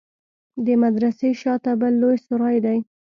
د مدرسې شا ته بل لوى سراى دى.